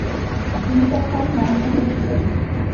তিনি তখন মসজিদে ছিলেন।